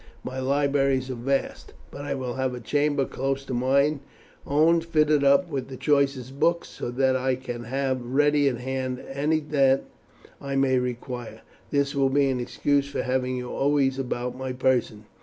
My libraries are vast, but I will have a chamber close to mine own fitted up with the choicest books, so that I can have ready at hand any that I may require. This will be an excuse for having you always about my person."